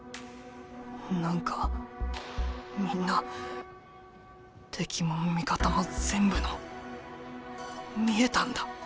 何かみんな敵も味方も全部の見えたんだ。